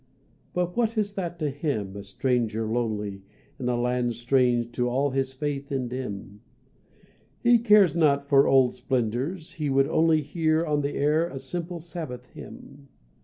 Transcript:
But what is that to him, a stranger lonely, In a land strange to all his faith and dim? He cares not for old splendours, he would only Hear on the air a simple Sabbath hymn.